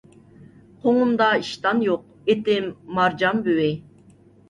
قوڭۇمدا ئىشتان يوق، ئېتىم مارجان بۈۋى.